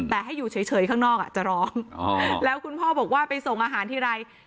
แต่ให้อยู่เฉยข้างนอกจะร้องแล้วคุณพ่อบอกว่าไปส่งอาหารทีไร